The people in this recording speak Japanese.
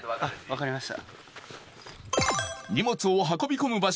分かりました。